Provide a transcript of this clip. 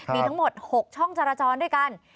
มีทั้งหมด๖ช่องจราจรด้วยกัน